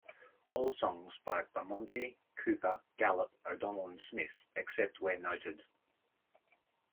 All songs by Bamonte, Cooper, Gallup, O'Donnell and Smith, except where noted.